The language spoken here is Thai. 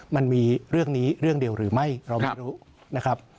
มันมีเรื่องนี้เรื่องเดียวหรือไม่เราไม่รู้นะครับ